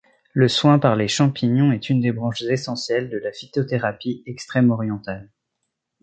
Le soin par les champignons est une des branches essentielles de la phytothérapie extrême-orientale.